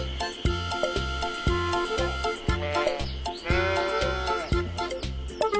あれ？